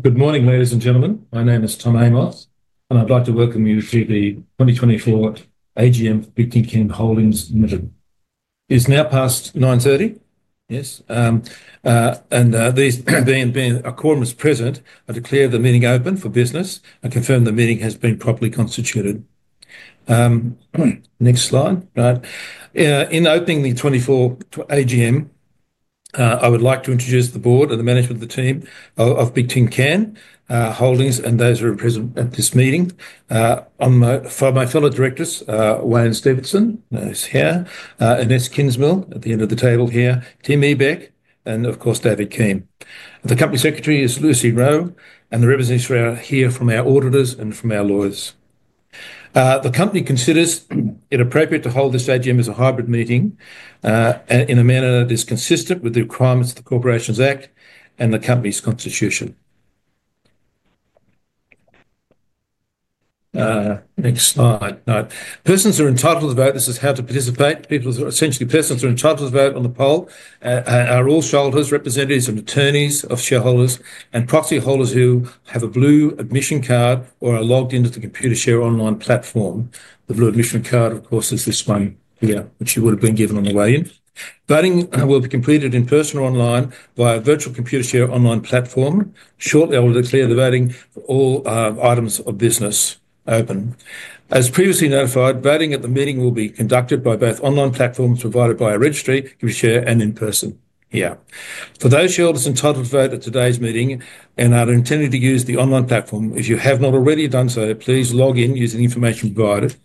Good morning, ladies and gentlemen. My name is Tom Amos, and I'd like to welcome you to the 2024 AGM for Bigtincan Holdings Limited. It's now past 9:30 A.M., yes, and these being a quorum as present, I declare the meeting open for business and confirm the meeting has been properly constituted. Next slide, right. In opening the 2024 AGM, I would like to introduce the board and the management of the team of Bigtincan Holdings, and those who are present at this meeting. For my fellow directors, Wayne Stevenson, who's here, Inese Kingsmill at the end of the table here, Tim Ebbeck, and of course, David Keane. The company secretary is Lucy Rowe, and the representatives are here from our auditors and from our lawyers. The company considers it appropriate to hold this AGM as a hybrid meeting in a manner that is consistent with the requirements of the Corporations Act and the company's constitution. Next slide. Persons are entitled to vote. This is how to participate. Essentially, persons are entitled to vote on the poll are all holders, representatives and attorneys of shareholders, and proxy holders who have a blue admission card or are logged into the Computershare online platform. The blue admission card, of course, is this one here, which you would have been given on the way in. Voting will be completed in person or online via virtual Computershare online platform. Shortly, I will declare the voting for all items of business open. As previously notified, voting at the meeting will be conducted by both online platforms provided by a registry, Computershare, and in person here. For those shareholders entitled to vote at today's meeting and are intending to use the online platform, if you have not already done so, please log in using the information provided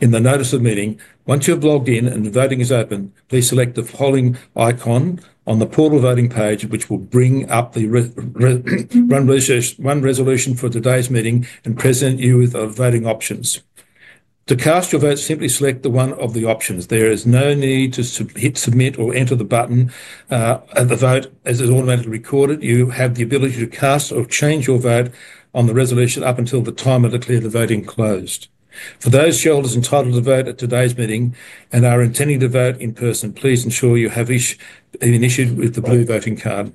in the Notice of Meeting. Once you have logged in and the voting is open, please select the polling icon on the portal voting page, which will bring up the one resolution for today's meeting and present you with the voting options. To cast your vote, simply select one of the options. There is no need to hit submit or enter the button. The vote is automatically recorded. You have the ability to cast or change your vote on the resolution up until the time I declare the voting closed. For those shareholders entitled to vote at today's meeting and are intending to vote in person, please ensure you have been issued with the blue voting card.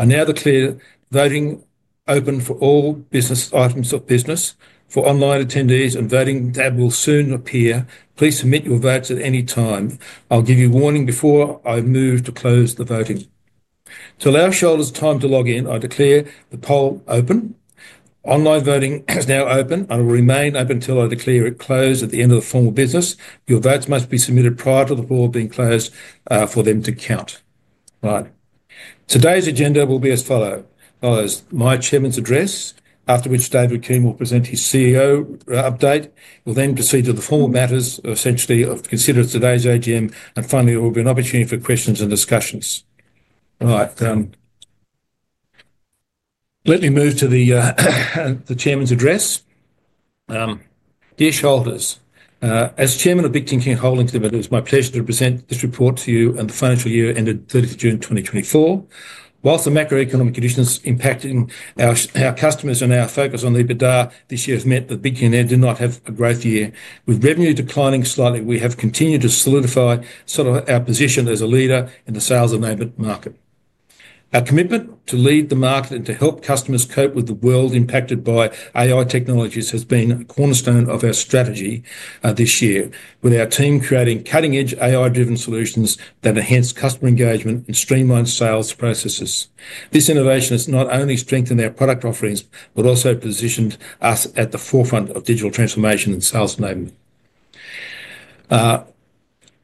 I now declare the voting open for all items of business. For online attendees, the voting tab will soon appear. Please submit your votes at any time. I'll give you a warning before I move to close the voting. To allow shareholders time to log in, I declare the poll open. Online voting is now open and will remain open until I declare it closed at the end of the formal business. Your votes must be submitted prior to the poll being closed for them to count. Right. Today's agenda will be as follows. My chairman's address, after which David Keane will present his CEO update. We'll then proceed to the formal matters, essentially of considering today's AGM, and finally, there will be an opportunity for questions and discussions. All right. Let me move to the chairman's address. Dear shareholders, as Chairman of Bigtincan Holdings Limited, it is my pleasure to present this report to you on the financial year ended 30th June 2024. While the macroeconomic conditions impacting our customers and our focus on their buyers, this year has meant that Bigtincan did not have a growth year. With revenue declining slightly, we have continued to solidify sort of our position as a leader in the sales enablement market. Our commitment to lead the market and to help customers cope with the world impacted by AI technologies has been a cornerstone of our strategy this year, with our team creating cutting-edge AI-driven solutions that enhance customer engagement and streamline sales processes. This innovation has not only strengthened our product offerings, but also positioned us at the forefront of digital transformation and sales enablement.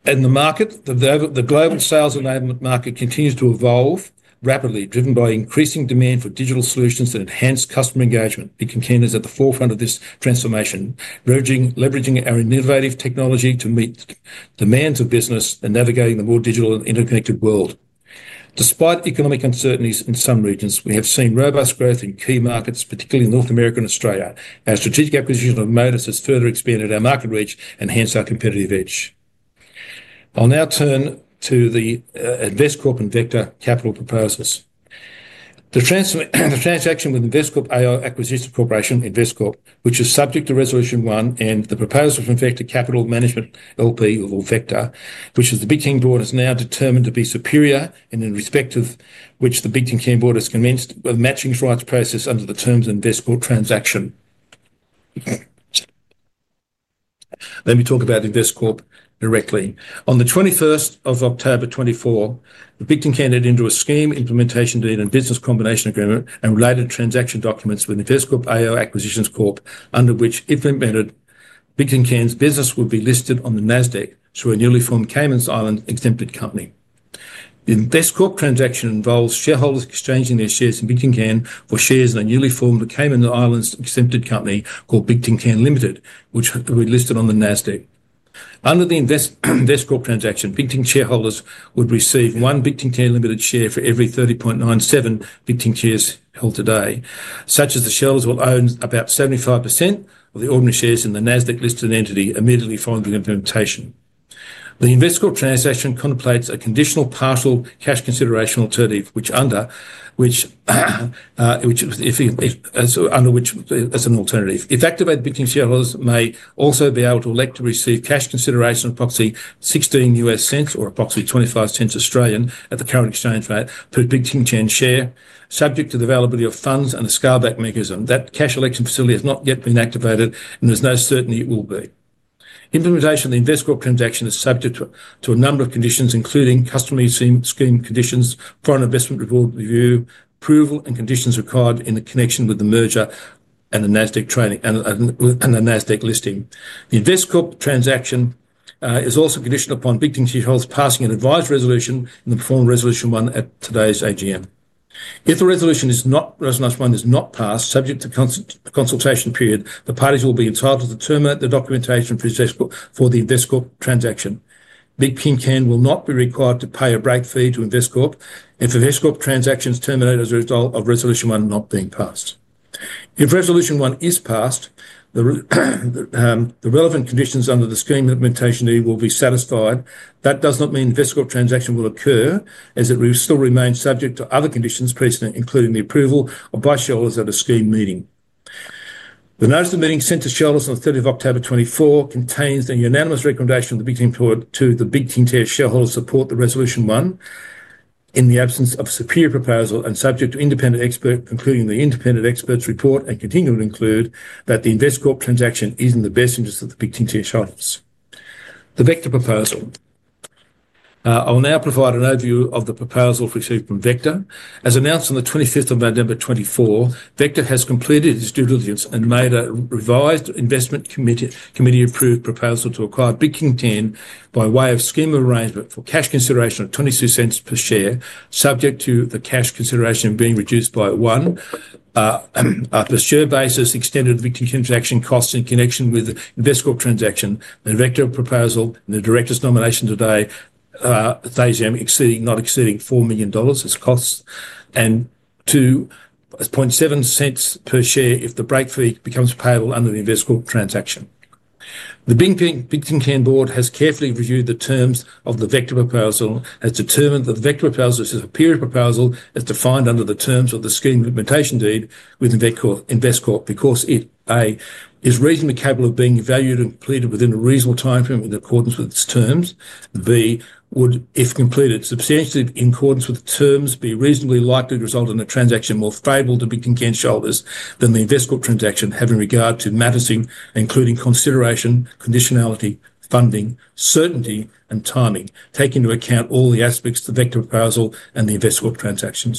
In the market, the global sales enablement market continues to evolve rapidly, driven by increasing demand for digital solutions that enhance customer engagement. Bigtincan is at the forefront of this transformation, leveraging our innovative technology to meet demands of business and navigating the more digital and interconnected world. Despite economic uncertainties in some regions, we have seen robust growth in key markets, particularly North America and Australia. Our strategic acquisition of Modus has further expanded our market reach and hence our competitive edge. I'll now turn to the Investcorp and Vector Capital proposals. The transaction with Investcorp AI Acquisition Corp, Investcorp, which is subject to resolution one, and the proposal from Vector Capital Management LP, or Vector, which the Bigtincan board is now determined to be superior in respect of which the Bigtincan board is convinced of matching rights process under the terms of Investcorp transaction. Let me talk about Investcorp directly. On the 21st of October 2024, Bigtincan had entered a Scheme Implementation Deed and Business Combination Agreement and related transaction documents with Investcorp AI Acquisition Corp, under which if implemented, Bigtincan's business would be listed on the Nasdaq through a newly formed Cayman Islands exempt company. The Investcorp transaction involves shareholders exchanging their shares in Bigtincan for shares in a newly formed Cayman Islands exempt company called Bigtincan Limited, which would be listed on the Nasdaq. Under the Investcorp transaction, Bigtincan shareholders would receive one Bigtincan Limited share for every 30.97 Bigtincan shares held today, such that the shareholders will own about 75% of the ordinary shares in the Nasdaq listed entity immediately following the implementation. The Investcorp transaction contemplates a conditional partial cash consideration alternative, which under which as an alternative. If activated, Bigtincan shareholders may also be able to elect to receive cash consideration of approximately $0.16 or approximately 0.25 at the current exchange rate per Bigtincan share, subject to the availability of funds and a scale-back mechanism. That cash election facility has not yet been activated, and there's no certainty it will be. Implementation of the Investcorp transaction is subject to a number of conditions, including customer scheme conditions, foreign investment review approval, and conditions required in connection with the merger and the Nasdaq listing. The Investcorp transaction is also conditioned upon Bigtincan shareholders passing an advised resolution in the form of resolution one at today's AGM. If resolution one is not passed, subject to consultation period, the parties will be entitled to terminate the documentation for the Investcorp transaction. Bigtincan will not be required to pay a break fee to Investcorp if Investcorp transaction is terminated as a result of resolution one not being passed. If resolution one is passed, the relevant conditions under the scheme implementation deed will be satisfied. That does not mean Investcorp transaction will occur, as it will still remain subject to other conditions precedent, including the approval of by shareholders at a scheme meeting. The notice of meeting sent to shareholders on the 30th of October 2024 contains the unanimous recommendation of the Bigtincan to the Bigtincan shareholders support the resolution one in the absence of a superior proposal and subject to independent expert, including the Independent Expert's Report and continuing to include that the Investcorp transaction is in the best interest of the Bigtincan shareholders. The Vector proposal. I will now provide an overview of the proposal received from Vector. As announced on the 25th of November 2024, Vector has completed its due diligence and made a revised investment committee approved proposal to acquire Bigtincan by way of scheme of arrangement for cash consideration of $0.22 per share, subject to the cash consideration being reduced on a one cent per share basis for estimated Bigtincan transaction costs in connection with the Investcorp transaction, the Vector proposal, and the directors' nominations at today's AGM not exceeding $4 million as costs and to $0.007 per share if the break fee becomes payable under the Investcorp transaction. The Bigtincan board has carefully reviewed the terms of the Vector proposal, has determined that the Vector proposal, which is a superior proposal, is defined under the terms of the scheme implementation deed with Investcorp because it, A, is reasonably capable of being valued and completed within a reasonable timeframe in accordance with its terms, B, would, if completed substantially in accordance with the terms, be reasonably likely to result in a transaction more favorable to Bigtincan shareholders than the Investcorp transaction, having regard to matters, including consideration, conditionality, funding, certainty, and timing, taking into account all the aspects of the Vector proposal and the Investcorp transaction.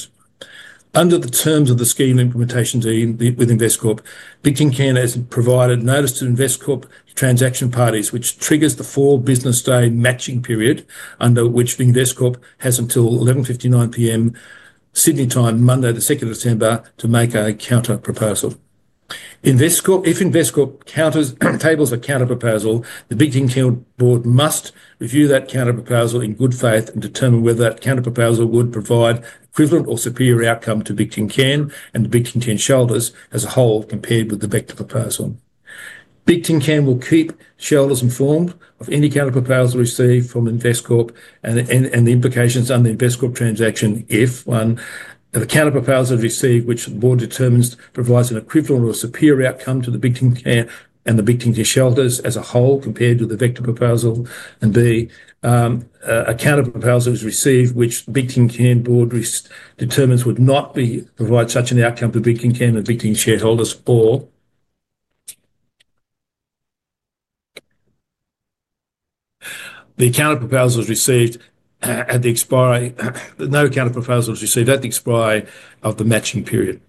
Under the terms of the scheme implementation deed with Investcorp, Bigtincan has provided notice to Investcorp transaction parties, which triggers the four business day matching period under which Investcorp has until 11:59 P.M. Sydney time, Monday, the 2nd of December, to make a counter proposal. If Investcorp tables a counter proposal, the Bigtincan board must review that counter proposal in good faith and determine whether that counter proposal would provide equivalent or superior outcome to Bigtincan and Bigtincan shareholders as a whole compared with the Vector proposal. Bigtincan will keep shareholders informed of any counter proposal received from Investcorp and the implications under the Investcorp transaction if, one, the counter proposal received which the board determines provides an equivalent or superior outcome to the Bigtincan and the Bigtincan shareholders as a whole compared to the Vector proposal, and B, a counter proposal is received which Bigtincan board determines would not provide such an outcome to Bigtincan and Bigtincan shareholders or the counter proposal is received at the expiry no counter proposal is received at the expiry of the matching period.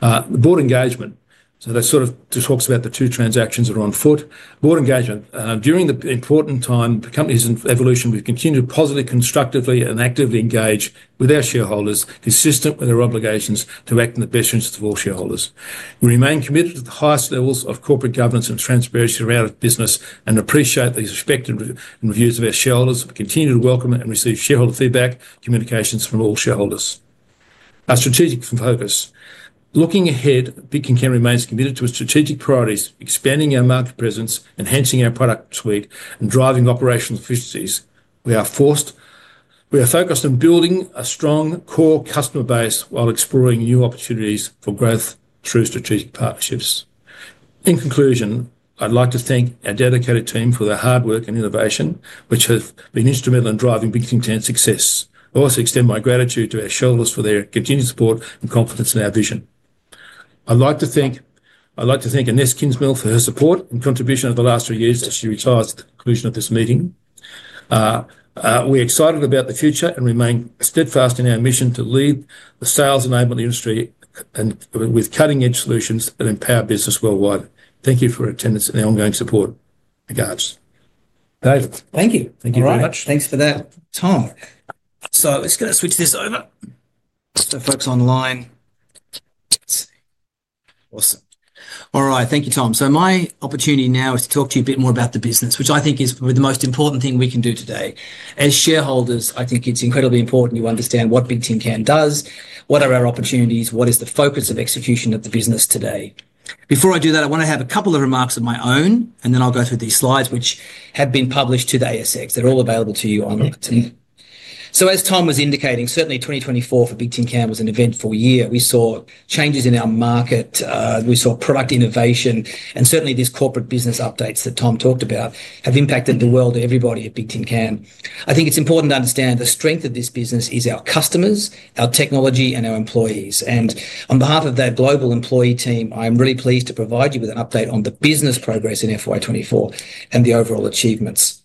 The board engagement. So that sort of talks about the two transactions that are on foot. Board engagement. During the important time, the company's evolution, we continue to positively, constructively, and actively engage with our shareholders, consistent with our obligations to act in the best interest of all shareholders. We remain committed to the highest levels of corporate governance and transparency around our business and appreciate the respect and views of our shareholders. We continue to welcome and receive shareholder feedback, communications from all shareholders. Our strategic focus. Looking ahead, Bigtincan remains committed to its strategic priorities, expanding our market presence, enhancing our product suite, and driving operational efficiencies. We are focused on building a strong core customer base while exploring new opportunities for growth through strategic partnerships. In conclusion, I'd like to thank our dedicated team for their hard work and innovation, which have been instrumental in driving Bigtincan's success. I also extend my gratitude to our shareholders for their continued support and confidence in our vision. I'd like to thank Inese Kingsmill for her support and contribution over the last three years as she retired at the conclusion of this meeting. We're excited about the future and remain steadfast in our mission to lead the sales enablement industry with cutting-edge solutions that empower business worldwide. Thank you for attendance and the ongoing support. Thank you very much. Thanks for that, Tom. So let's get us switch this over. So folks online. Awesome. All right. Thank you, Tom. So my opportunity now is to talk to you a bit more about the business, which I think is the most important thing we can do today. As shareholders, I think it's incredibly important you understand what Bigtincan does, what are our opportunities, what is the focus of execution of the business today. Before I do that, I want to have a couple of remarks of my own, and then I'll go through these slides which have been published to the ASX. They're all available to you on LinkedIn. As Tom was indicating, certainly 2024 for Bigtincan was an eventful year. We saw changes in our market. We saw product innovation. And certainly these corporate business updates that Tom talked about have impacted the world of everybody at Bigtincan. I think it's important to understand the strength of this business is our customers, our technology, and our employees. And on behalf of that global employee team, I'm really pleased to provide you with an update on the business progress in FY24 and the overall achievements.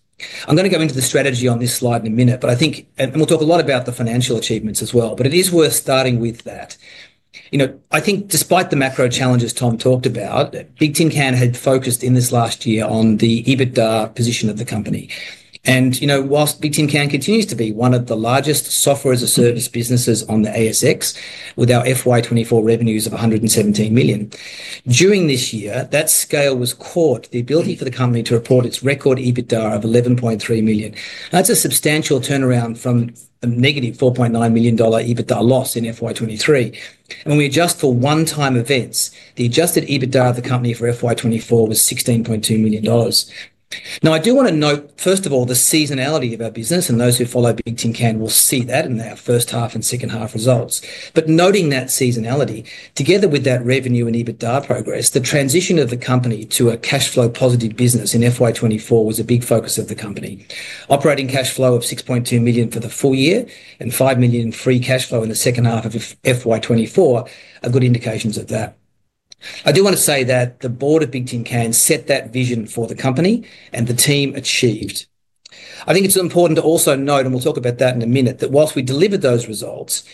I'm going to go into the strategy on this slide in a minute, but I think, and we'll talk a lot about the financial achievements as well, but it is worth starting with that. I think despite the macro challenges Tom talked about, Bigtincan had focused in this last year on the EBITDA position of the company. While Bigtincan continues to be one of the largest software-as-a-service businesses on the ASX, with our FY24 revenues of $117 million, during this year, that scale has enabled the ability for the company to report its record EBITDA of $11.3 million. That's a substantial turnaround from a negative $4.9 million EBITDA loss in FY23. When we adjust for one-time events, the adjusted EBITDA of the company for FY24 was $16.2 million. Now, I do want to note, first of all, the seasonality of our business, and those who follow Bigtincan will see that in our first half and second half results. Noting that seasonality, together with that revenue and EBITDA progress, the transition of the company to a cash flow positive business in FY24 was a big focus of the company. Operating cash flow of $6.2 million for the full year and $5 million in free cash flow in the second half of FY24 are good indications of that. I do want to say that the board of Bigtincan set that vision for the company, and the team achieved. I think it's important to also note, and we'll talk about that in a minute, that whilst we delivered those results,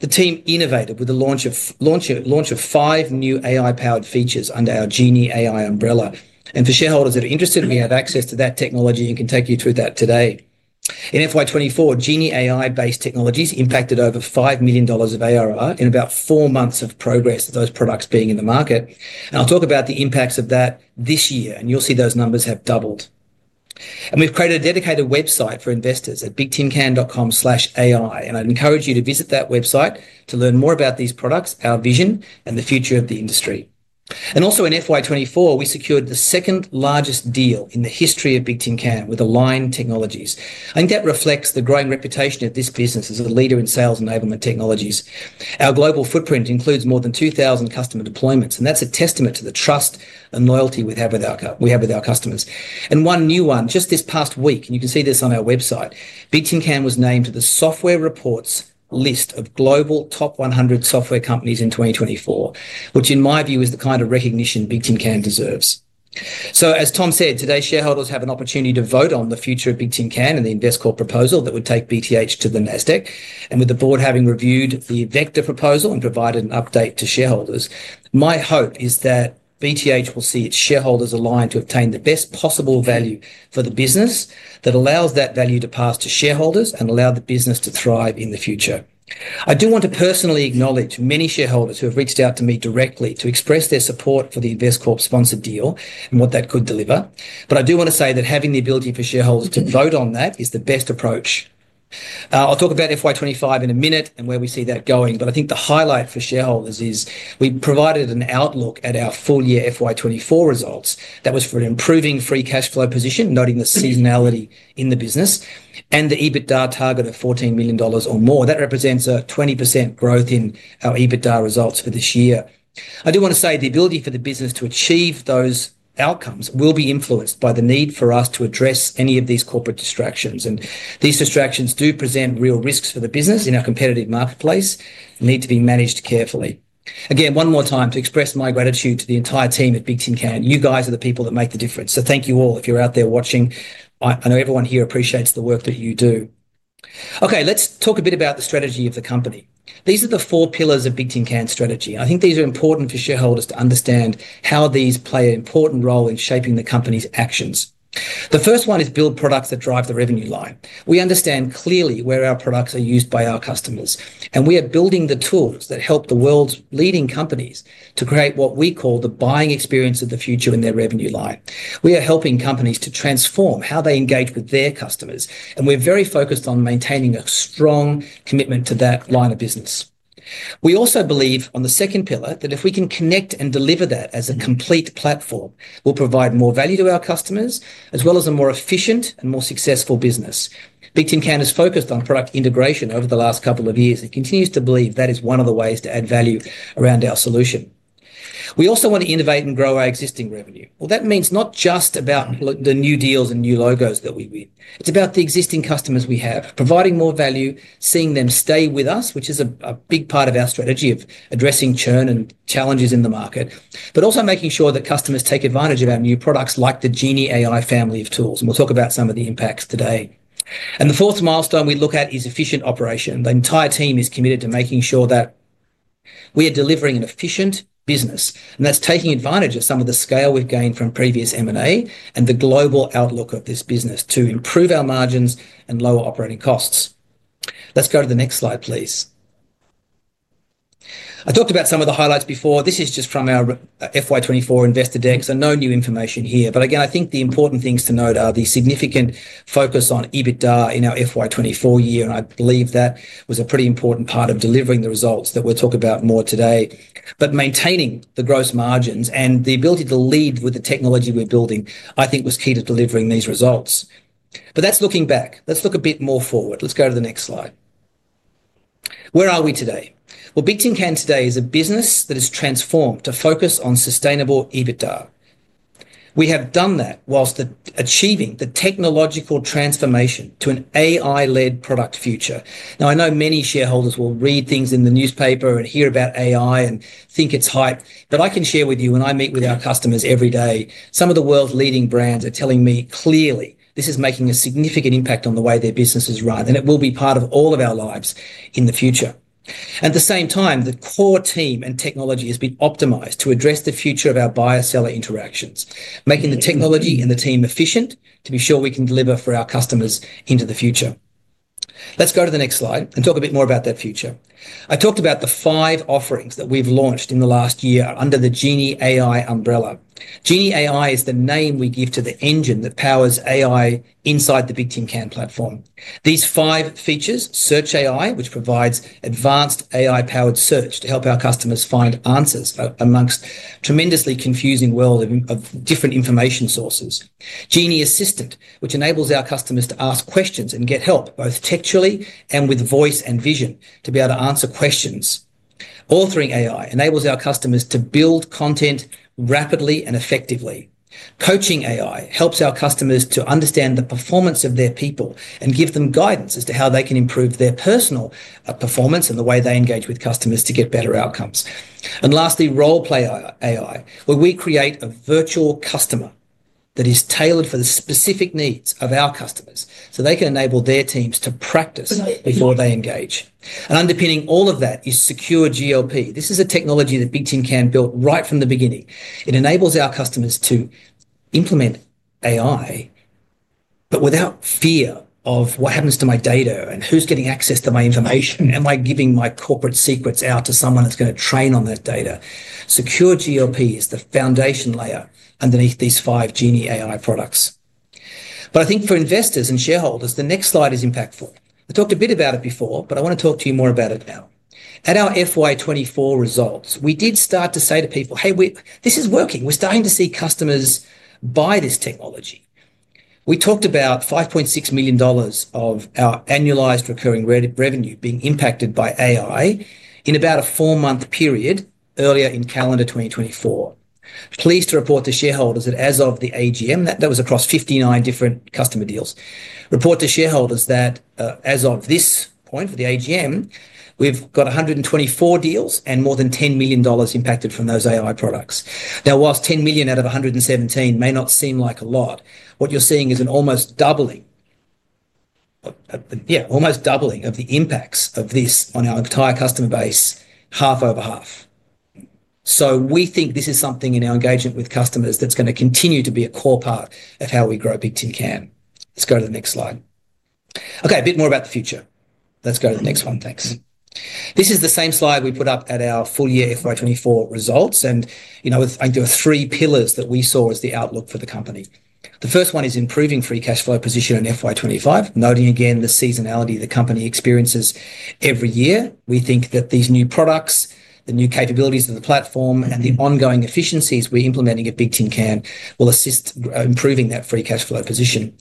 the team innovated with the launch of five new AI-powered features under our GenieAI umbrella. And for shareholders that are interested, we have access to that technology and can take you through that today. In FY24, Genie AI-based technologies impacted over $5 million of ARR in about four months of progress, those products being in the market. And I'll talk about the impacts of that this year, and you'll see those numbers have doubled. We've created a dedicated website for investors at bigtincan.com/ai, and I'd encourage you to visit that website to learn more about these products, our vision, and the future of the industry. Also in FY24, we secured the second largest deal in the history of Bigtincan with Align Technology. I think that reflects the growing reputation of this business as a leader in sales enablement technologies. Our global footprint includes more than 2,000 customer deployments, and that's a testament to the trust and loyalty we have with our customers. One new one, just this past week, and you can see this on our website, Bigtincan was named to The Software Report list of global top 100 software companies in 2024, which in my view is the kind of recognition Bigtincan deserves. As Tom said, today shareholders have an opportunity to vote on the future of Bigtincan and the Investcorp proposal that would take BTH to the Nasdaq, with the board having reviewed the Vector proposal and provided an update to shareholders. My hope is that BTH will see its shareholders aligned to obtain the best possible value for the business that allows that value to pass to shareholders and allow the business to thrive in the future. I do want to personally acknowledge many shareholders who have reached out to me directly to express their support for the Investcorp-sponsored deal and what that could deliver, but I do want to say that having the ability for shareholders to vote on that is the best approach. I'll talk about FY25 in a minute and where we see that going. I think the highlight for shareholders is we provided an outlook at our full year FY24 results that was for an improving free cash flow position, noting the seasonality in the business and the EBITDA target of $14 million or more. That represents a 20% growth in our EBITDA results for this year. I do want to say the ability for the business to achieve those outcomes will be influenced by the need for us to address any of these corporate distractions. These distractions do present real risks for the business in our competitive marketplace and need to be managed carefully. Again, one more time to express my gratitude to the entire team at Bigtincan. You guys are the people that make the difference. So thank you all. If you're out there watching, I know everyone here appreciates the work that you do. Okay, let's talk a bit about the strategy of the company. These are the four pillars of Bigtincan's strategy. I think these are important for shareholders to understand how these play an important role in shaping the company's actions. The first one is build products that drive the revenue line. We understand clearly where our products are used by our customers, and we are building the tools that help the world's leading companies to create what we call the buying experience of the future in their revenue line. We are helping companies to transform how they engage with their customers, and we're very focused on maintaining a strong commitment to that line of business. We also believe on the second pillar that if we can connect and deliver that as a complete platform, we'll provide more value to our customers as well as a more efficient and more successful business. Bigtincan has focused on product integration over the last couple of years and continues to believe that is one of the ways to add value around our solution. We also want to innovate and grow our existing revenue. That means not just about the new deals and new logos that we win. It's about the existing customers we have, providing more value, seeing them stay with us, which is a big part of our strategy of addressing churn and challenges in the market, but also making sure that customers take advantage of our new products like the Genie AI family of tools. We'll talk about some of the impacts today. The fourth milestone we look at is efficient operation. The entire team is committed to making sure that we are delivering an efficient business, and that's taking advantage of some of the scale we've gained from previous M&A and the global outlook of this business to improve our margins and lower operating costs. Let's go to the next slide, please. I talked about some of the highlights before. This is just from our FY24 investor deck, so no new information here. But again, I think the important things to note are the significant focus on EBITDA in our FY24 year, and I believe that was a pretty important part of delivering the results that we'll talk about more today. But maintaining the gross margins and the ability to lead with the technology we're building, I think, was key to delivering these results. But that's looking back. Let's look a bit more forward. Let's go to the next slide. Where are we today? Well, Bigtincan today is a business that has transformed to focus on sustainable EBITDA. We have done that whilst achieving the technological transformation to an AI-led product future. Now, I know many shareholders will read things in the newspaper and hear about AI and think it's hype, but I can share with you, when I meet with our customers every day, some of the world's leading brands are telling me clearly this is making a significant impact on the way their business is run, and it will be part of all of our lives in the future. At the same time, the core team and technology has been optimized to address the future of our buyer-seller interactions, making the technology and the team efficient to be sure we can deliver for our customers into the future. Let's go to the next slide and talk a bit more about that future. I talked about the five offerings that we've launched in the last year under the GenieAI umbrella. GenieAI is the name we give to the engine that powers AI inside the Bigtincan platform. These five features: SearchAI, which provides advanced AI-powered search to help our customers find answers amongst a tremendously confusing world of different information sources. Genie Assistant, which enables our customers to ask questions and get help both textually and with voice and vision to be able to answer questions. AuthoringAI enables our customers to build content rapidly and effectively. CoachingAI helps our customers to understand the performance of their people and give them guidance as to how they can improve their personal performance and the way they engage with customers to get better outcomes, and lastly, RolePlayAI, where we create a virtual customer that is tailored for the specific needs of our customers so they can enable their teams to practice before they engage, and underpinning all of that is SecureGLP. This is a technology that Bigtincan built right from the beginning. It enables our customers to implementAI, but without fear of what happens to my data and who's getting access to my information, am I giving my corporate secrets out to someone that's going to train on that data? SecureGLP is the foundation layer underneath these five GenieAI products. But I think for investors and shareholders, the next slide is impactful. I talked a bit about it before, but I want to talk to you more about it now. At our FY24 results, we did start to say to people, "Hey, this is working. We're starting to see customers buy this technology." We talked about $5.6 million of our annualized recurring revenue being impacted by AI in about a four-month period earlier in calendar 2024. Pleased to report to shareholders that as of the AGM, that was across 59 different customer deals. As of this point for the AGM, we've got 124 deals and more than $10 million impacted from those AI products. Now, while $10 million out of $117 million may not seem like a lot, what you're seeing is an almost doubling, yeah, almost doubling of the impacts of this on our entire customer base, half over half. So we think this is something in our engagement with customers that's going to continue to be a core part of how we grow Bigtincan. Let's go to the next slide. Okay, a bit more about the future. Let's go to the next one. Thanks. This is the same slide we put up at our full year FY24 results. And I think there were three pillars that we saw as the outlook for the company. The first one is improving free cash flow position in FY25, noting again the seasonality the company experiences every year. We think that these new products, the new capabilities of the platform, and the ongoing efficiencies we're implementing at Bigtincan will assist improving that free cash flow position.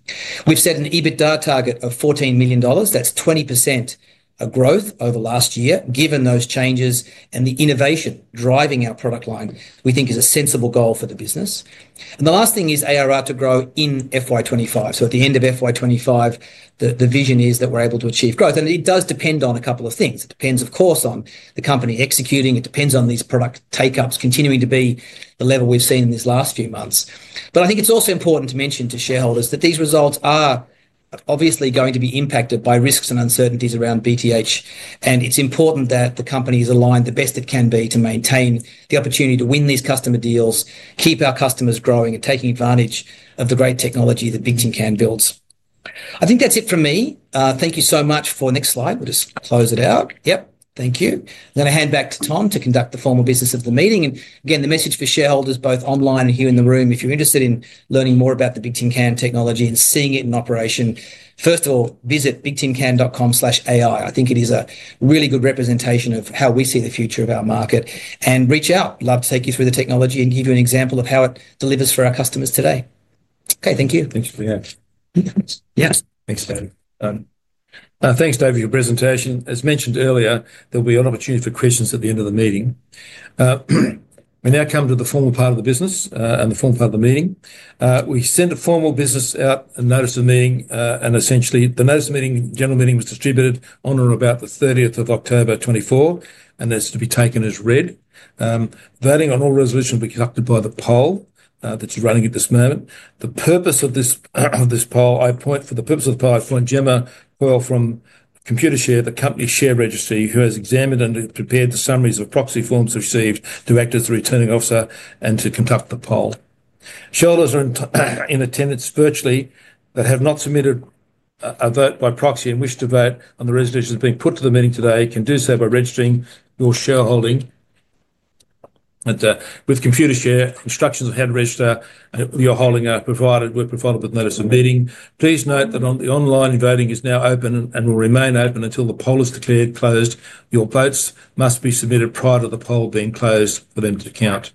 We've set an EBITDA target of $14 million. That's 20% growth over last year, given those changes and the innovation driving our product line, we think is a sensible goal for the business. And the last thing is ARR to grow in FY25. So at the end of FY25, the vision is that we're able to achieve growth. And it does depend on a couple of things. It depends, of course, on the company executing. It depends on these product take-ups continuing to be the level we've seen in these last few months, but I think it's also important to mention to shareholders that these results are obviously going to be impacted by risks and uncertainties around BTH. And it's important that the company is aligned the best it can be to maintain the opportunity to win these customer deals, keep our customers growing, and take advantage of the great technology that Bigtincan builds. I think that's it for me. Thank you so much for the next slide. We'll just close it out. Yep, thank you. I'm going to hand back to Tom to conduct the formal business of the meeting, and again, the message for shareholders, both online and here in the room, if you're interested in learning more about the Bigtincan technology and seeing it in operation, first of all, visit bigtincan.com/ai. I think it is a really good representation of how we see the future of our market. And reach out. Love to take you through the technology and give you an example of how it delivers for our customers today. Okay, thank you. Thank you for your help. Yes. Thanks, David. Thanks, David, for your presentation. As mentioned earlier, there'll be an opportunity for questions at the end of the meeting. We now come to the formal part of the business and the formal part of the meeting. We sent a formal business out and notice of meeting. And essentially, the notice of meeting, general meeting was distributed on or about the 30th of October 2024, and that's to be taken as read. Voting on all resolutions will be conducted by the poll that's running at this moment. The purpose of this poll, I appoint Gemma Coe from Computershare, the company share registry, who has examined and prepared the summaries of proxy forms received to act as the returning officer and to conduct the poll. Shareholders are in attendance virtually that have not submitted a vote by proxy and wish to vote on the resolutions being put to the meeting today can do so by registering your shareholding with Computershare. Instructions on how to register your holding were provided with notice of meeting. Please note that the online voting is now open and will remain open until the poll is declared closed. Your votes must be submitted prior to the poll being closed for them to count.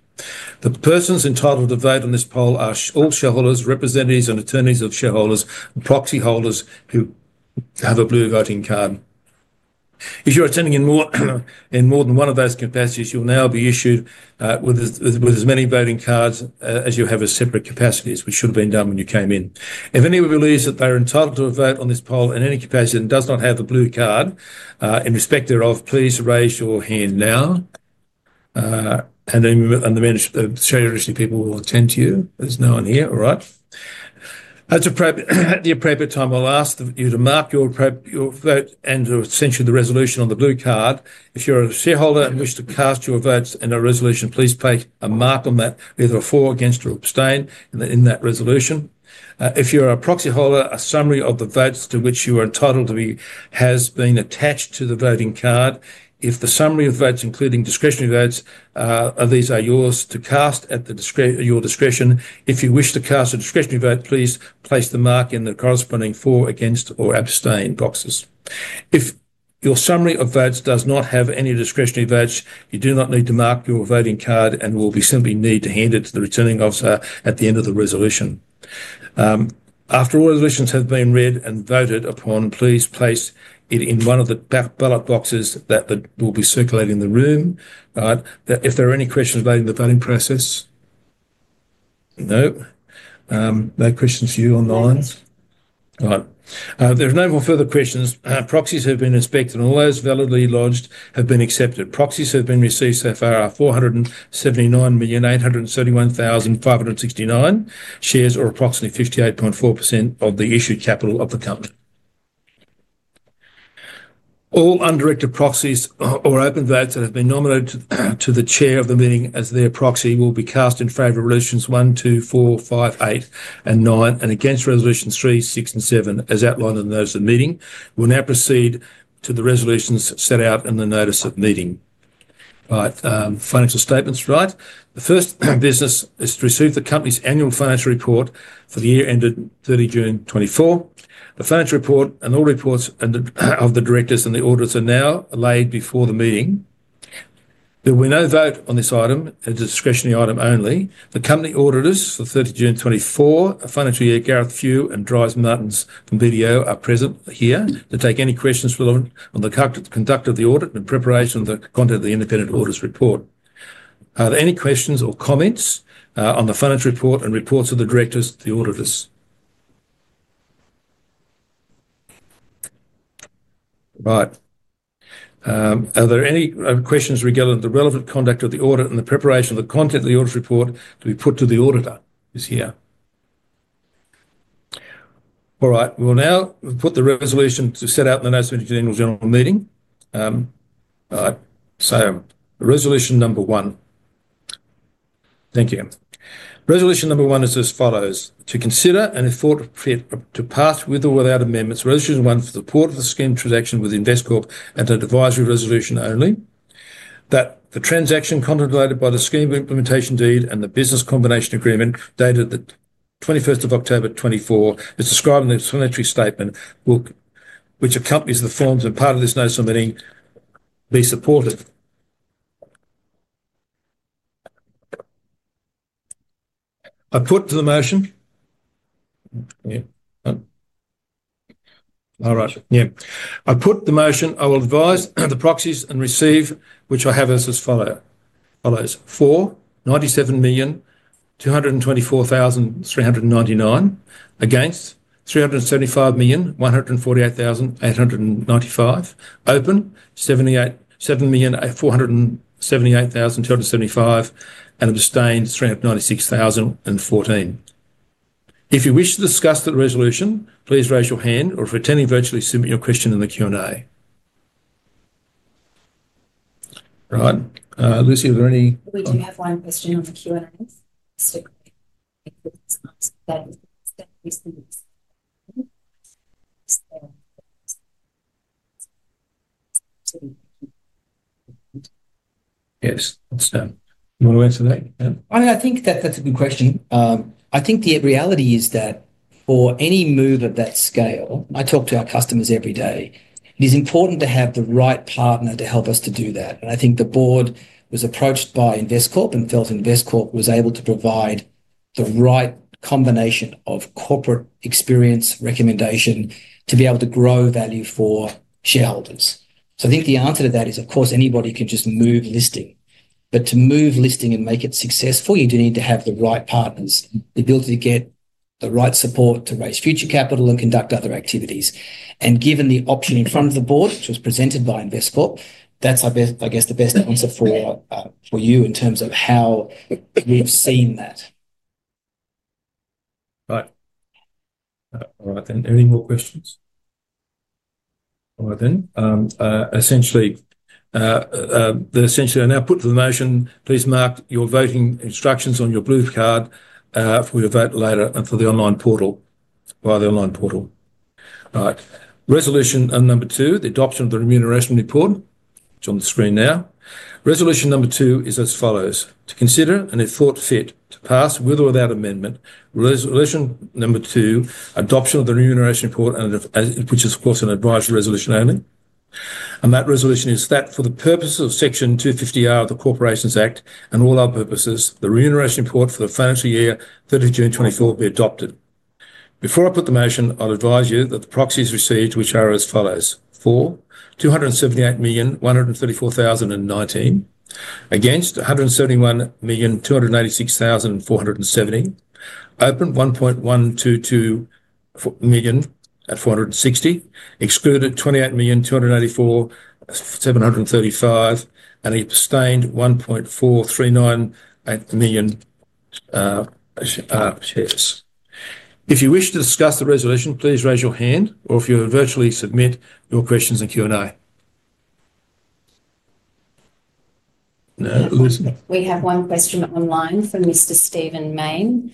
The persons entitled to vote in this poll are all shareholders, representatives, and attorneys of shareholders, proxy holders who have a blue voting card. If you're attending in more than one of those capacities, you'll now be issued with as many voting cards as you have as separate capacities, which should have been done when you came in. If anyone believes that they are entitled to a vote on this poll in any capacity and does not have a blue card, in respect thereof, please raise your hand now, and the share registry people will attend to you. There's no one here. All right. At the appropriate time, I'll ask you to mark your vote and essentially the resolution on the blue card. If you're a shareholder and wish to cast your votes in a resolution, please place a mark on that, either a for, against, or abstain in that resolution. If you're a proxy holder, a summary of the votes to which you are entitled has been attached to the voting card. If the summary of votes, including discretionary votes, these are yours to cast at your discretion, if you wish to cast a discretionary vote, please place the mark in the corresponding for, against, or abstain boxes. If your summary of votes does not have any discretionary votes, you do not need to mark your voting card and will simply need to hand it to the returning officer at the end of the resolution. After all resolutions have been read and voted upon, please place it in one of the ballot boxes that will be circulating the room. All right. If there are any questions regarding the voting process? No. No questions for you online. All right. There are no more further questions. Proxies have been inspected, and all those validly lodged have been accepted. Proxies have been received so far are 479,831,569 shares, or approximately 58.4% of the issued capital of the company. All undirected proxies or open votes that have been nominated to the chair of the meeting as their proxy will be cast in favor of resolutions one, two, four, five, eight, and nine, and against resolutions three, six, and seven, as outlined in the notice of meeting. We'll now proceed to the resolutions set out in the notice of meeting. All right. Financial statements. Right. The first business is to receive the company's annual financial report for the year ended 30 June 2024. The financial report and all reports of the directors and the auditors are now laid before the meeting. There will be no vote on this item, a discretionary item only. The company auditors for 30 June 2024 financial year, Gareth Few and Dries Martens from BDO, are present here to take any questions relevant on the conduct of the audit and preparation of the content of the independent auditor's report. Are there any questions or comments on the financial report and reports of the directors, the auditors? Right. Are there any questions regarding the relevant conduct of the audit and the preparation of the content of the auditor's report to be put to the auditor? Who's here? All right. We'll now put the resolution to set out in the notice of meeting at the general meeting. All right. So resolution number one. Thank you. Resolution number one is as follows: to consider and adopt to pass with or without amendments resolution one for the support of the scheme transaction with Investcorp as an advisory resolution only, that the transaction contemplated by the scheme implementation deed and the business combination agreement dated the 21st of October 2024, as described in the Explanatory Statement, which accompanies the form and is part of this notice of meeting, be supported. I put to the motion. All right. Yeah. I put the motion. I will advise the proxies and receive, which I have as follows. For 97,224,399 against 375,148,895, abstain 7,478,275, and abstained 396,014. If you wish to discuss the resolution, please raise your hand, or if attending virtually, submit your question in the Q&A. All right. Lucy, are there any? We do have one question on the Q&A. Yes. You want to answer that? I think that that's a good question. I think the reality is that for any move at that scale, I talk to our customers every day. It is important to have the right partner to help us to do that. And I think the board was approached by Investcorp and felt Investcorp was able to provide the right combination of corporate experience, recommendation to be able to grow value for shareholders. So I think the answer to that is, of course, anybody can just move listing. But to move listing and make it successful, you do need to have the right partners, the ability to get the right support to raise future capital and conduct other activities. And given the option in front of the board, which was presented by Investcorp, that's, I guess, the best answer for you in terms of how we've seen that. Right. All right. Then any more questions? All right then. Essentially, I now put the motion. Please mark your voting instructions on your blue card for your vote later and for the online portal, via the online portal. All right. Resolution number two, the adoption of the Remuneration Report, which is on the screen now. Resolution number two is as follows: to consider and if thought fit to pass with or without amendment, resolution number two, adoption of the remuneration report, which is, of course, an advisory resolution only. And that resolution is that for the purposes of Section 250R of the Corporations Act and all other purposes, the remuneration report for the financial year 30 June 2024 be adopted. Before I put the motion, I'll advise you that the proxies received, which are as follows: for 278,134,019 against 171,296,470, open 1.122 million at 460, excluded 28,294,735, and abstained 1.439 million shares. If you wish to discuss the resolution, please raise your hand, or if you're virtually, submit your questions in Q&A. We have one question online from Mr. Stephen Mayne.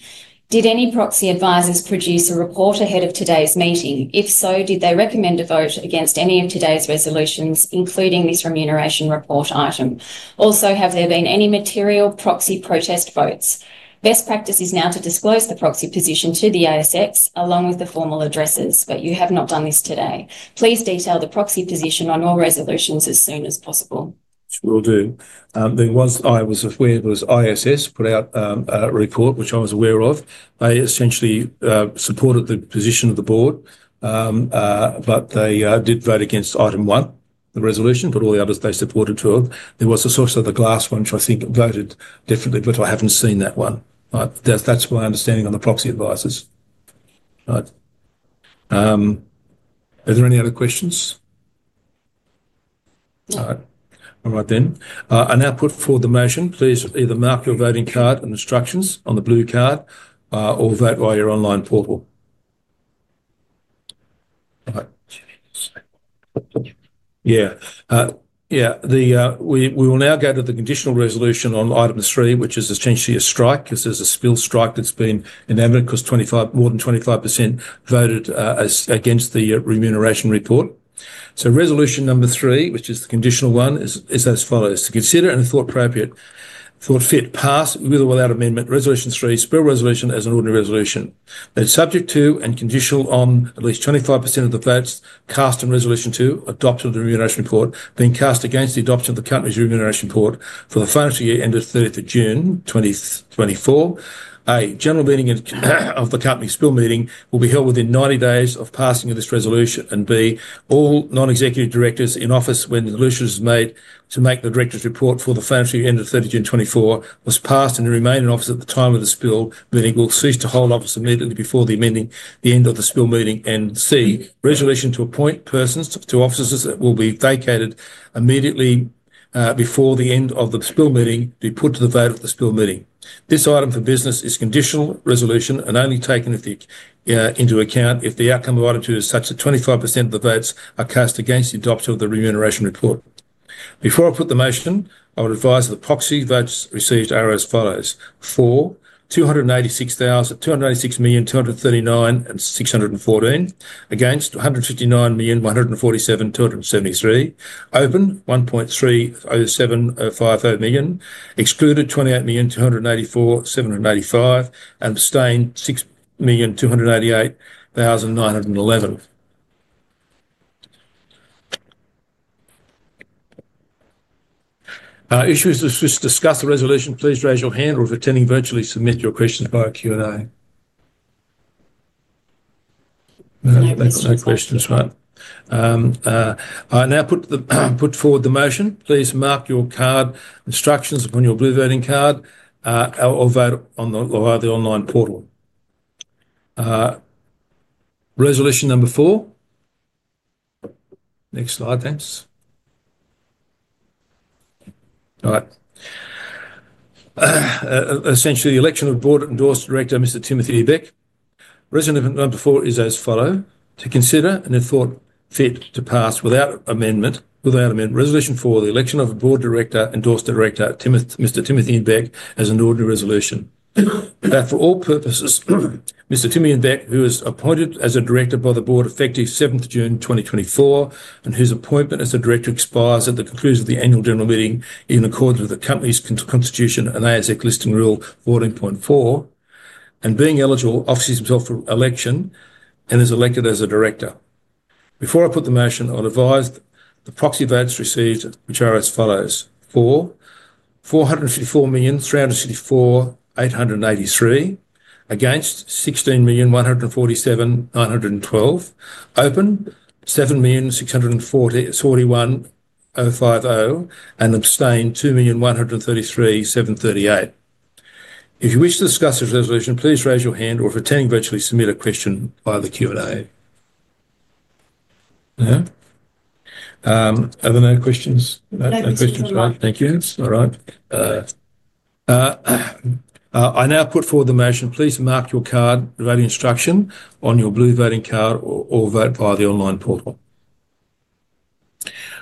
Did any proxy advisors produce a report ahead of today's meeting? If so, did they recommend a vote against any of today's resolutions, including this remuneration report item? Also, have there been any material proxy protest votes? Best practice is now to disclose the proxy position to the ASX, along with the formal addresses, but you have not done this today. Please detail the proxy position on all resolutions as soon as possible. Will do. I was aware there was ISS put out a report, which I was aware of. They essentially supported the position of the board, but they did vote against item one, the resolution, but all the others they supported too. There was a source of the Glass Lewis, which I think voted differently, but I haven't seen that one. That's my understanding on the proxy advisors. All right. Are there any other questions? All right. All right then. I now put forward the motion. Please either mark your voting card and instructions on the blue card or vote via your online portal. All right. Yeah. Yeah. We will now go to the conditional resolution on item three, which is essentially a strike because there's a spill strike that's been enabled because more than 25% voted against the remuneration report. So resolution number three, which is the conditional one, is as follows: to consider and thought appropriate, thought fit pass with or without amendment resolution three, Spill Resolution as an ordinary resolution. It's subject to and conditional on at least 25% of the votes cast on resolution two adopting the remuneration report being cast against the adoption of the company's remuneration report for the financial year ended 30 June 2024. A general meeting of the company, spill meeting, will be held within 90 days of passing of this resolution. B, all non-executive directors in office when the resolution was passed to adopt the directors' report for the financial year ended 30 June 2024 and remained in office at the time of the spill meeting will cease to hold office immediately before the end of the spill meeting. C, resolution to appoint persons to offices that will be vacated immediately before the end of the spill meeting to be put to the vote of the spill meeting. This item for business is conditional resolution and only taken into account if the outcome of item two is such that 25% of the votes are cast against the adoption of the remuneration report. Before I put the motion, I would advise that the proxy votes received are as follows: for 296,239,614 against 159,147,273, open 1.30750 million, excluded 28,294,785, and abstained 6,288,911. If you wish to discuss the resolution, please raise your hand or if attending virtually, submit your questions via Q&A. That's no questions. Right. I now put forward the motion. Please mark your card instructions upon your blue voting card or vote on the online portal. Resolution number four. Next slide, thanks. All right. Essentially, the election of Board-endorsed director, Mr. Tim Ebbeck. Resolution number four is as follows: to consider and if thought fit to pass without amendment, resolution for the election of Board-endorsed director, Mr. Timothy Ebbeck, as an ordinary resolution. That for all purposes, Mr. Timothy Ebbeck, who is appointed as a director by the board effective 7 June 2024, and whose appointment as a director expires at the conclusion of the annual general meeting in accordance with the company's constitution and ASX listing rule 14.4, and being eligible, offers himself for election and is elected as a director. Before I put the motion, I'll advise the proxy votes received, which are as follows: for 454,364,893 against 16,147,912, open 7,641,050, and abstained 2,133,738. If you wish to discuss this resolution, please raise your hand or if attending virtually, submit a question via the Q&A. Are there no questions? No questions. Right. Thank you. All right. I now put forward the motion. Please mark your card voting instruction on your blue voting card or vote via the online portal.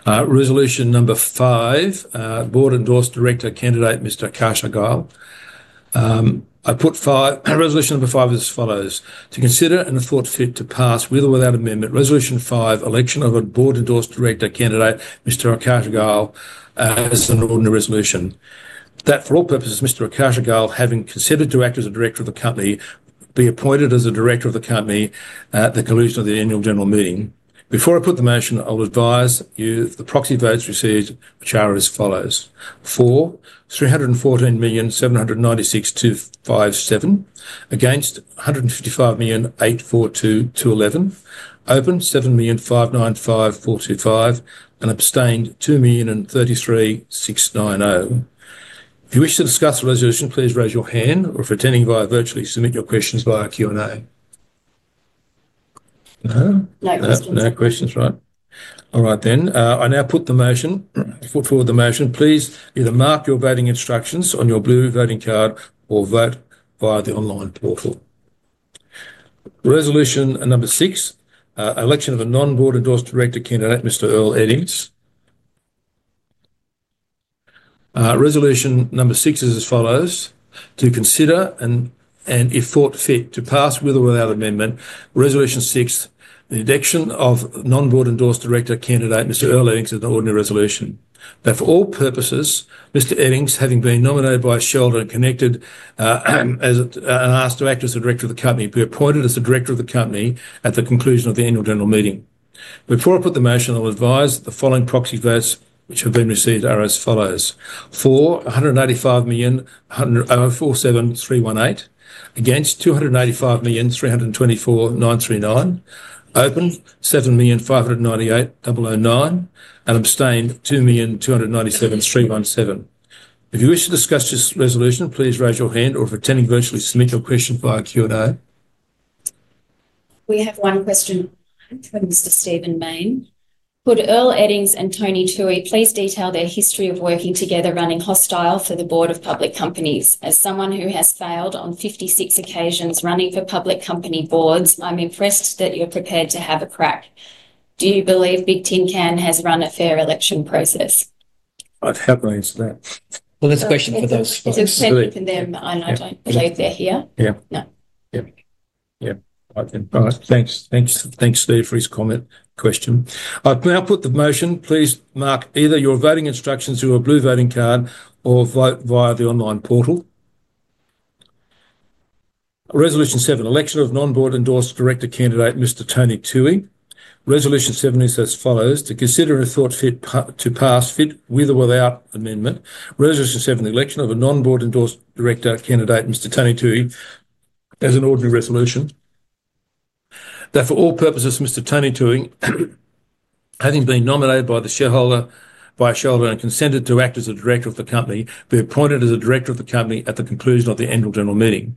Resolution number five, board-endorsed director candidate, Mr. Akash Agarwal. I put resolution number five as follows: to consider and thought fit to pass with or without amendment resolution five, election of a board-endorsed director candidate, Mr. Akash Agarwal, as an ordinary resolution. That for all purposes, Mr. Akash Agarwal, having considered to act as a director of the company, be appointed as a director of the company at the conclusion of the annual general meeting. Before I put the motion, I'll advise you the proxy votes received, which are as follows: for 314,796,257 against 155,842,211, open 7,595,425, and abstained 2,033,690. If you wish to discuss the resolution, please raise your hand, or if attending virtually, submit your questions via Q&A. No questions. No questions. Right. All right then. I now put the motion. I put forward the motion. Please either mark your voting instructions on your blue voting card or vote via the online portal. Resolution number six, election of a non-board endorsed director candidate, Mr. Earl Eddings. Resolution number six is as follows: to consider and if thought fit to pass with or without amendment resolution six, the induction of non-board endorsed director candidate, Mr. Earl Eddings, as an ordinary resolution. That for all purposes, Mr. Eddings, having been nominated by a shareholder and consented and asked to act as the director of the company, be appointed as the director of the company at the conclusion of the annual general meeting. Before I put the motion, I'll advise the following proxy votes, which have been received, are as follows: for 185,047,318 against 295,324,939, open 7,598,009, and abstained 2,297,317. If you wish to discuss this resolution, please raise your hand, or if attending virtually, submit your question via Q&A. We have one question for Mr. Stephen Mayne. Could Earl Eddings and Tony Toohey please detail their history of working together running hostile for the board of public companies? As someone who has failed on 56 occasions running for public company boards, I'm impressed that you're prepared to have a crack. Do you believe Bigtincan has run a fair election process? I'd have my answer to that. Well, that's a question for those folks. It's a question for them, and I don't believe they're here. All right. Thanks. Thanks, Steve, for his comment question. I've now put the motion. Please mark either your voting instructions through a blue voting card or vote via the online portal. Resolution seven, election of non-board endorsed director candidate, Mr. Tony Toohey. Resolution seven is as follows: to consider and thought fit to pass with or without amendment. Resolution seven, the election of a non-board endorsed director candidate, Mr. Tony Toohey, as an ordinary resolution. That for all purposes, Mr. Tony Toohey, having been nominated by the shareholder and consented to act as a director of the company, be appointed as a director of the company at the conclusion of the annual general meeting.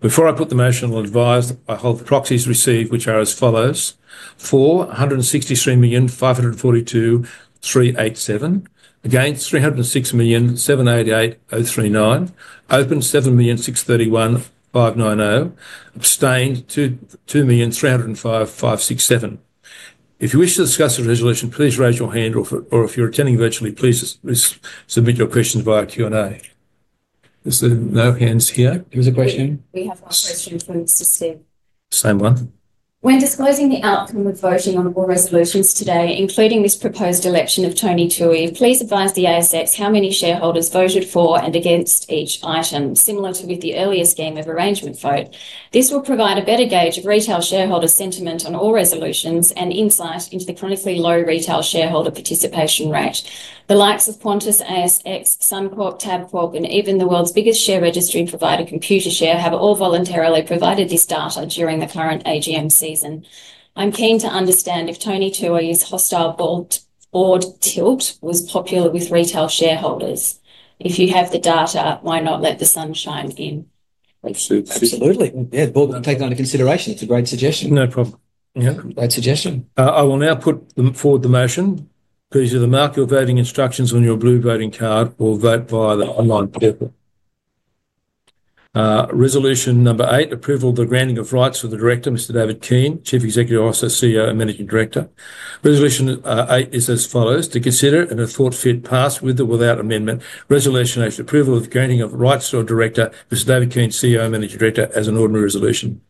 Before I put the motion, I'll advise I hold the proxies received, which are as follows: for 163,542,387 against 306,788,039, open 7,631,590, abstained 2,305,567. If you wish to discuss the resolution, please raise your hand, or if you're attending virtually, please submit your questions via Q&A. There's no hands here. There was a question. We have one question from Mr. Stephen Mayne. Same one. When disclosing the outcome of voting on all resolutions today, including this proposed election of Tony Toohey, please advise the ASX how many shareholders voted for and against each item, similar to with the earlier scheme of arrangement vote. This will provide a better gauge of retail shareholder sentiment on all resolutions and insight into the chronically low retail shareholder participation rate. The likes of Qantas, ASX, Suncorp, Tabcorp, and even the world's biggest share registry provider, Computershare, have all voluntarily provided this data during the current AGM season. I'm keen to understand if Tony Toohey's hostile board tilt was popular with retail shareholders. If you have the data, why not let the sunshine in? Absolutely. Yeah. Board will take that into consideration. It's a great suggestion. No problem. Yeah. Great suggestion. I will now put forward the motion. Please either mark your voting instructions on your blue voting card or vote via the online portal. Resolution number eight, approval of the granting of rights for the director, Mr. David Keane, Chief Executive Officer, CEO, and Managing Director. Resolution eight is as follows: to consider and if thought fit pass with or without amendment resolution after approval of the granting of rights to a director, Mr. David Keane, CEO, and Managing Director, as an ordinary resolution.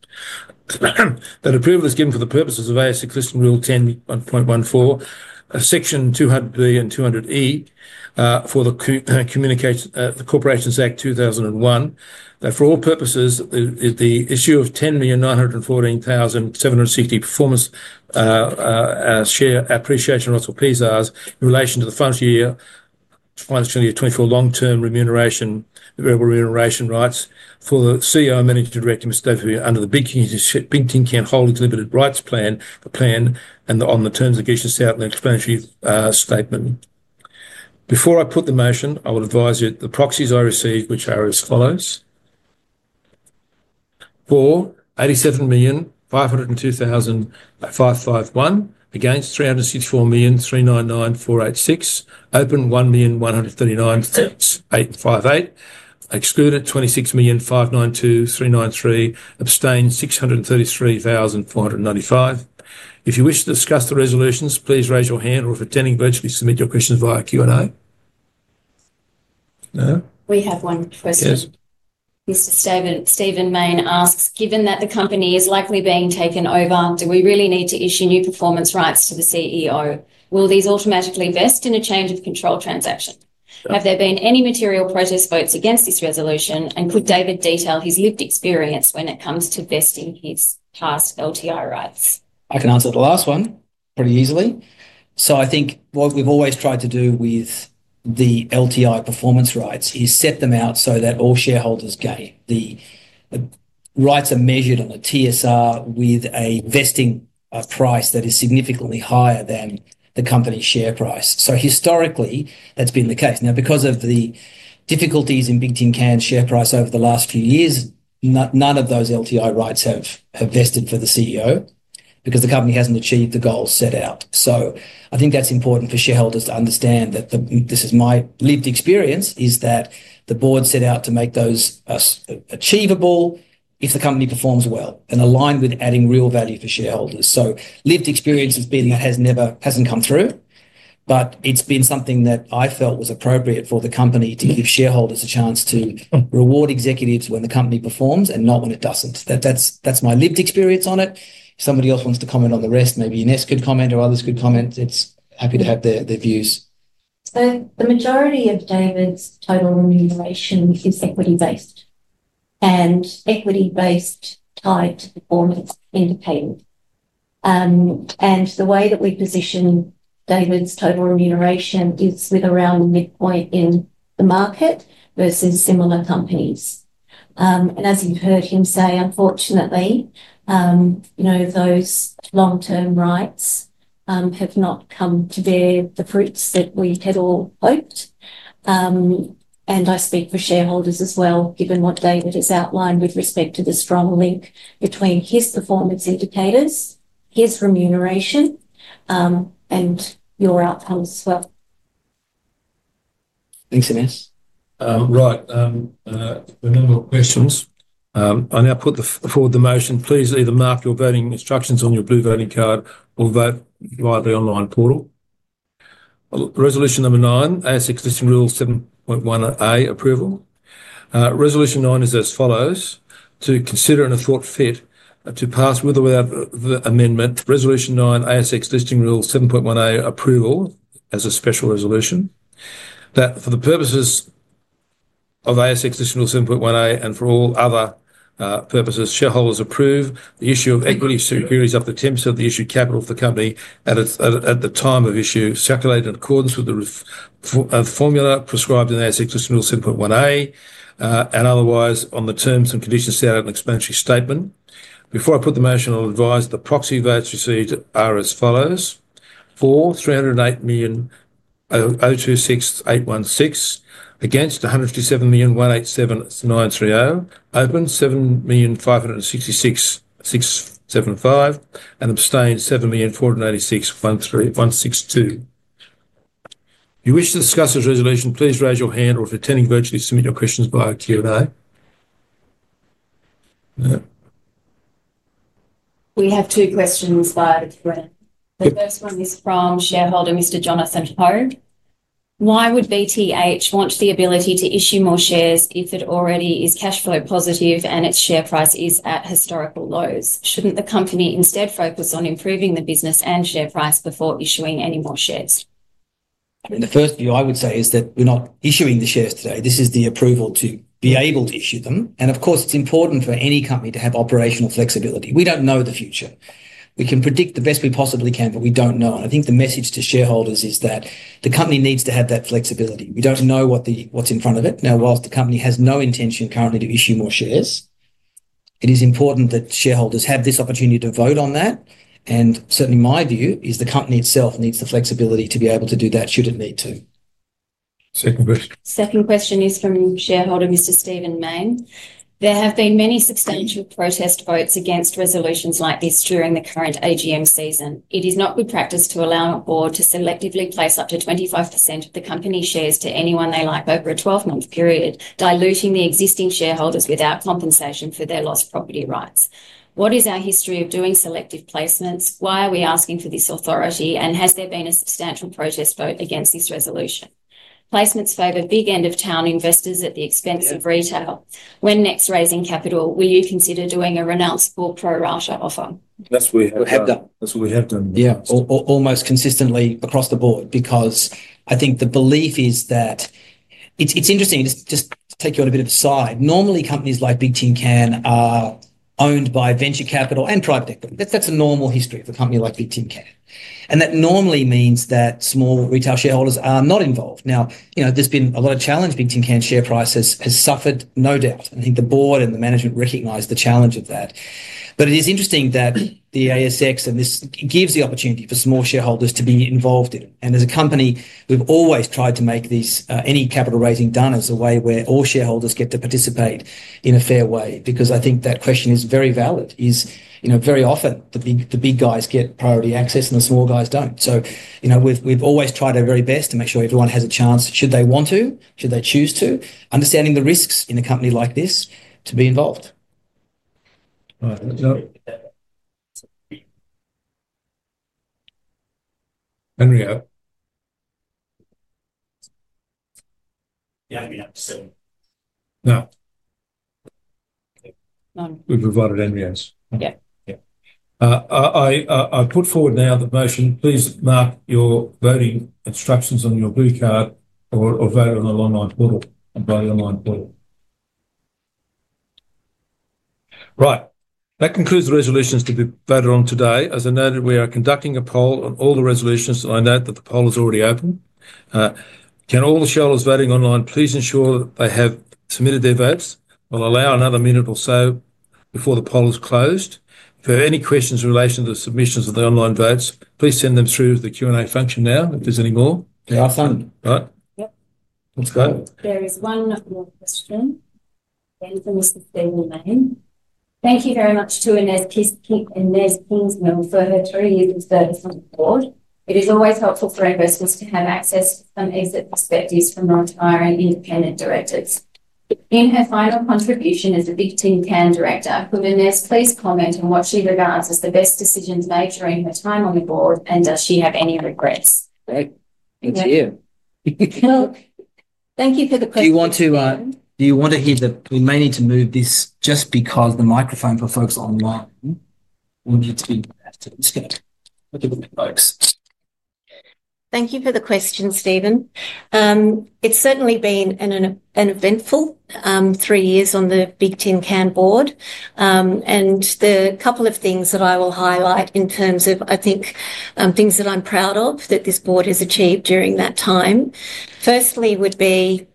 That approval is given for the purposes of ASX Listing Rule 10.14, section 200B and 200E for the Corporations Act 2001. That for all purposes, the issue of 10,914,760 performance share appreciation rights in relation to the financial year 24 long-term remuneration rights for the CEO and Managing Director, Mr. David Keane, under the Bigtincan Holdings Limited Rights Plan, the plan and on the terms and conditions out in the explanatory statement. Before I put the motion, I would advise you the proxies I received, which are as follows: for 87,502,551 against 364,399,486, open 1,139,858, excluded 26,592,393, abstained 633,495. If you wish to discuss the resolutions, please raise your hand, or if attending virtually, submit your questions via Q&A. We have one question. Mr. Stephen Mayne asks, given that the company is likely being taken over, do we really need to issue new performance rights to the CEO? Will these automatically vest in a change of control transaction? Have there been any material protest votes against this resolution? And could David detail his lived experience when it comes to vesting his past LTI rights? I can answer the last one pretty easily. I think what we've always tried to do with the LTI performance rights is set them out so that all shareholders gain. The rights are measured on a TSR with a vesting price that is significantly higher than the company's share price, so historically, that's been the case. Now, because of the difficulties in Bigtincan's share price over the last few years, none of those LTI rights have vested for the CEO because the company hasn't achieved the goals set out, so I think that's important for shareholders to understand that this is my lived experience, is that the board set out to make those achievable if the company performs well and aligned with adding real value for shareholders. So lived experience has been that hasn't come through, but it's been something that I felt was appropriate for the company to give shareholders a chance to reward executives when the company performs and not when it doesn't. That's my lived experience on it. If somebody else wants to comment on the rest, maybe Inese could comment or others could comment. It's happy to have their views. So the majority of David's total remuneration is equity-based, and equity-based tied to performance indicators. And the way that we position David's total remuneration is with around the midpoint in the market versus similar companies. And as you've heard him say, unfortunately, those long-term rights have not come to bear the fruits that we had all hoped. And I speak for shareholders as well, given what David has outlined with respect to the strong link between his performance indicators, his remuneration, and your outcomes as well. Thanks, Inese. Right. Any more questions? I now put forward the motion. Please either mark your voting instructions on your blue voting card or vote via the online portal. Resolution number nine, ASX Listing Rule 7.1A approval. Resolution nine is as follows: to consider and if thought fit to pass with or without amendment. Resolution nine, ASX Listing Rule 7.1A approval as a special resolution. That for the purposes of ASX Listing Rule 7.1A and for all other purposes, shareholders approve the issue of equity securities up to 10% of the issued capital of the company at the time of issue, in accordance with the formula prescribed in ASX Listing Rule 7.1A and otherwise on the terms and conditions set out in the explanatory statement. Before I put the motion, I'll advise the proxy votes received are as follows: for 308,026,816 against 157,187,930, open 7,566,675, and abstained 7,496,162. If you wish to discuss this resolution, please raise your hand, or if attending virtually, submit your questions via Q&A. We have two questions via the Q&A. The first one is from shareholder Mr. Jonathan Hogue. Why would BTH want the ability to issue more shares if it already is cash flow positive and its share price is at historical lows? Shouldn't the company instead focus on improving the business and share price before issuing any more shares? I mean, the first view I would say is that we're not issuing the shares today. This is the approval to be able to issue them. And of course, it's important for any company to have operational flexibility. We don't know the future. We can predict the best we possibly can, but we don't know. And I think the message to shareholders is that the company needs to have that flexibility. We don't know what's in front of it. Now, while the company has no intention currently to issue more shares, it is important that shareholders have this opportunity to vote on that. And certainly, my view is the company itself needs the flexibility to be able to do that should it need to. Second question. Second question is from shareholder Mr. Stephen Mayne. There have been many substantial protest votes against resolutions like this during the current AGM season. It is not good practice to allow a board to selectively place up to 25% of the company shares to anyone they like over a 12-month period, diluting the existing shareholders without compensation for their lost property rights. What is our history of doing selective placements? Why are we asking for this authority, and has there been a substantial protest vote against this resolution? Placements favor big end of town investors at the expense of retail. When next raising capital, will you consider doing a renounceable pro rata offer? That's what we have done. That's what we have done. Yeah. Almost consistently across the board because I think the belief is that it's interesting just to take you on a bit of a side. Normally, companies like Bigtincan are owned by venture capital and private equity. That's a normal history for a company like Bigtincan. And that normally means that small retail shareholders are not involved. Now, there's been a lot of challenge. Bigtincan's share price has suffered, no doubt. And I think the board and the management recognize the challenge of that. But it is interesting that the ASX and this gives the opportunity for small shareholders to be involved in it. And as a company, we've always tried to make any capital raising done as a way where all shareholders get to participate in a fair way because I think that question is very valid. Is very often the big guys get priority access and the small guys don't. So we've always tried our very best to make sure everyone has a chance should they want to, should they choose to, understanding the risks in a company like this to be involved. Henry A. Yeah, I'm here. No. We've provided NBS. Yeah. I put forward now the motion. Please mark your voting instructions on your blue card or vote on the online portal by the online portal. Right. That concludes the resolutions to be voted on today. As I noted, we are conducting a poll on all the resolutions. I note that the poll is already open. Can all the shareholders voting online please ensure that they have submitted their votes? We'll allow another minute or so before the poll is closed. If there are any questions in relation to the submissions of the online votes, please send them through the Q&A function now if there's any more. They are fine. Right? Yep. That's fine. There is one more question again for Mr. Stephen Mayne. Thank you very much to Inese Kingsmill for her three years of service on the board. It is always helpful for investors to have access to some exit perspectives from the retiring independent directors. In her final contribution as a Bigtincan director, could Inese please comment on what she regards as the best decisions made during her time on the board, and does she have any regrets? Okay. Thank you. Thank you for the question. We may need to move this just because the microphone for folks online will need to be moved. Okay, folks. Thank you for the question, Stephen. It's certainly been an eventful three years on the Bigtincan board. The couple of things that I will highlight in terms of, I think, things that I'm proud of that this board has achieved during that time, firstly would be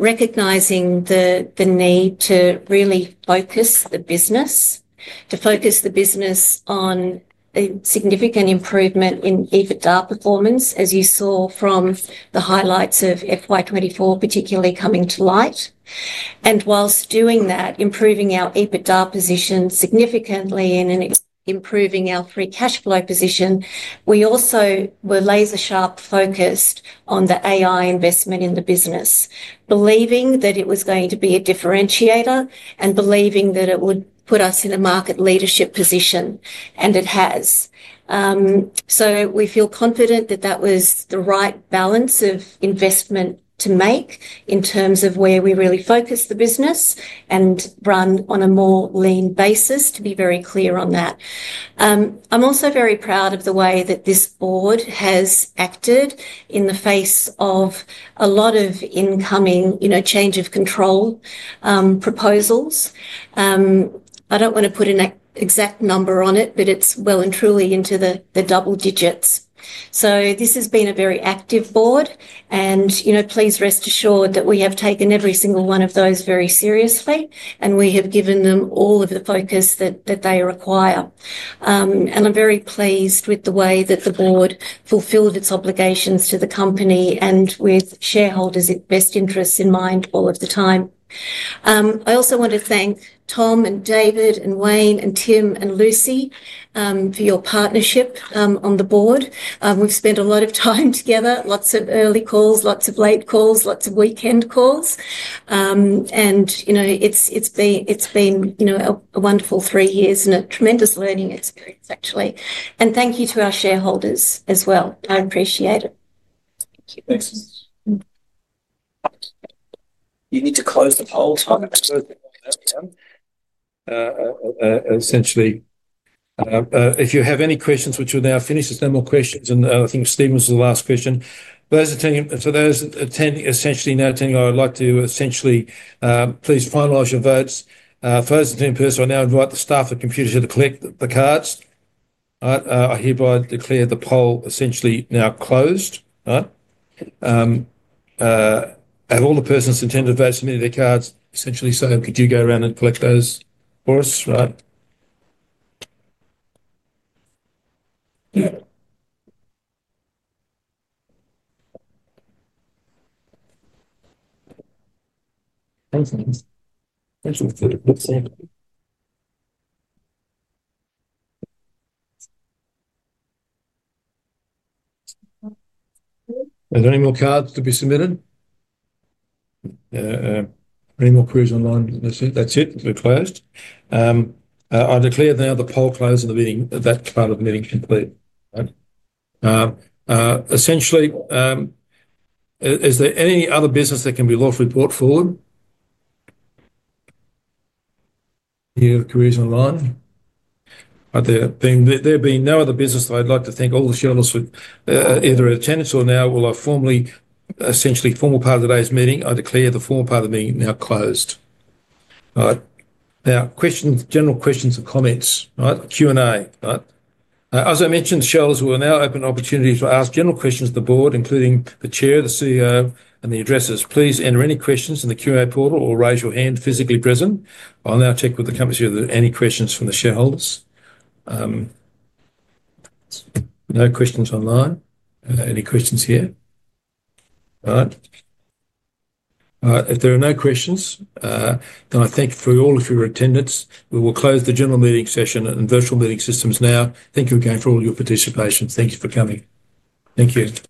recognizing the need to really focus the business, to focus the business on a significant improvement in EBITDA performance, as you saw from the highlights of FY24, particularly coming to light. While doing that, improving our EBITDA position significantly and improving our free cash flow position, we also were laser-sharp focused on the AI investment in the business, believing that it was going to be a differentiator and believing that it would put us in a market leadership position, and it has. We feel confident that that was the right balance of investment to make in terms of where we really focus the business and run on a more lean basis, to be very clear on that. I'm also very proud of the way that this board has acted in the face of a lot of incoming change of control proposals. I don't want to put an exact number on it, but it's well and truly into the double digits. So this has been a very active board. And please rest assured that we have taken every single one of those very seriously, and we have given them all of the focus that they require. And I'm very pleased with the way that the board fulfilled its obligations to the company and with shareholders' best interests in mind all of the time. I also want to thank Tom and David and Wayne and Tim and Lucy for your partnership on the board. We've spent a lot of time together, lots of early calls, lots of late calls, lots of weekend calls. It's been a wonderful three years and a tremendous learning experience, actually. Thank you to our shareholders as well. I appreciate it. Thank you. Thanks. You need to close the poll time next week. Essentially, if you have any questions, which we'll now finish, there's no more questions. I think Stephen was the last question. For those attending essentially now attending, I would like to essentially please finalize your votes. For those attending in person, I now invite the staff of Computershare here to collect the cards. I hereby declare the poll essentially now closed. All right? Have all the persons attending the votes submitted their cards essentially? Could you go around and collect those for us? Right? Thank you. Are there any more cards to be submitted? Any more queries online? That's it. We're closed. I declare now the poll closed and that part of the meeting complete. Essentially, is there any other business that can be lawfully brought forward? Any other queries online? There being no other business, I'd like to thank all the shareholders for either attendance or now will I formally essentially formal part of today's meeting. I declare the formal part of the meeting now closed. All right. Now, general questions and comments. All right? Q&A. All right? As I mentioned, shareholders will now open opportunities to ask general questions to the board, including the chair, the CEO, and the auditors. Please enter any questions in the Q&A portal or raise your hand physically present. I'll now check with the company if there are any questions from the shareholders. No questions online. Any questions here? All right. All right. If there are no questions, then I thank you for all of your attendance. We will close the general meeting session and virtual meeting systems now. Thank you again for all your participation. Thank you for coming. Thank you.